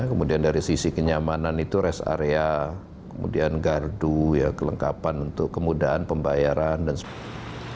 kemudian dari sisi kenyamanan itu rest area kemudian gardu kelengkapan untuk kemudahan pembayaran dan sebagainya